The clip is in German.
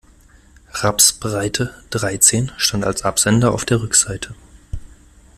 Rapsbreite dreizehn stand als Absender auf der Rückseite.